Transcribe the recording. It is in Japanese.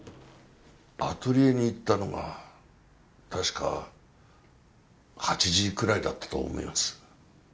アトリエに行ったのが確か８時くらいだったと思います。